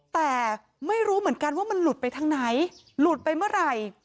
แต่ไม่รู้เหมือนกันว่ามันหลุดไปทางไหนหลุดไปเมื่อไหร่